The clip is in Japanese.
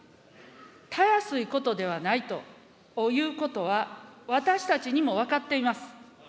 たやすいことではないということは私たちにも分かっています。